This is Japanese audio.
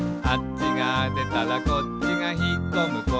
「あっちがでたらこっちがひっこむ」